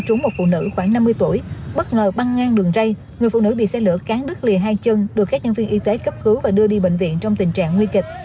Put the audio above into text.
trong đường rây người phụ nữ bị xe lửa cán đứt lìa hai chân được các nhân viên y tế cấp cứu và đưa đi bệnh viện trong tình trạng nguy kịch